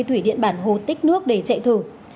thủy điện bản hồ tích nước để chạy thử